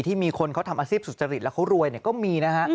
มีคนเขาทำอาชีพสุจริตแล้วเขารวยก็มีนะฮะ